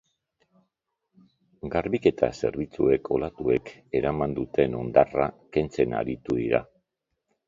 Garbiketa zerbitzuak olatuek eraman duten hondarra kentzen aritu dira.